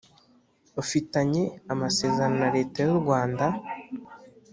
ufitanye amasezerano na Leta y u Rwanda